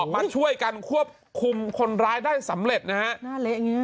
มาช่วยกันควบคุมคนร้ายได้สำเร็จนะฮะหน้าเละอย่างเงี้